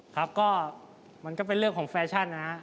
ครับก็มันก็เป็นเรื่องของแฟชั่นนะครับ